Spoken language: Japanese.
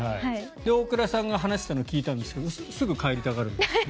大倉さんが話していたのを聞いたんですがすぐ帰りたくなるんですよね。